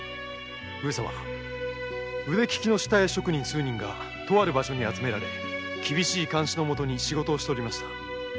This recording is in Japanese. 腕利きの下絵職人数人がとある場所に集められ厳しい監視のもとに仕事をしておりました。